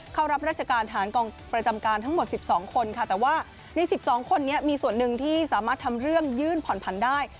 เข้ารับราชการฐานกองประจำการทั้งหมด๑๒คนค่ะแต่ว่าใน๑๒คนนี้มีส่วนหนึ่งที่สามารถทำเรื่องยื่นผ่อนผันได้